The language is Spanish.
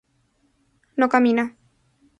no camina